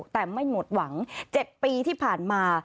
แต่ไม่หมดหวัง๗ปีที่ผ่านมา